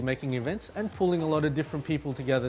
dengan membuat event dan menemukan banyak orang yang berbeda